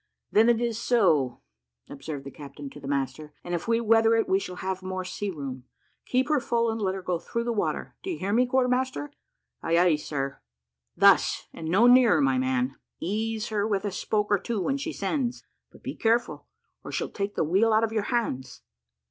"Then it is so," observed the captain to the master, "and if we weather it we shall have more sea room. Keep her full, and let her go through the water; do you hear, quarter master?" "Ay, ay, sir." "Thus, and no nearer, my man. Ease her with a spoke or two when she sends; but be careful, or she'll take the wheel out of your hands."